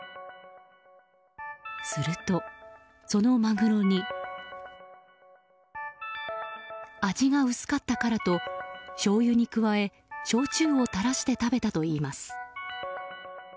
すると、そのマグロに味が薄かったからとしょうゆに加え焼酎を垂らして食べたといいます。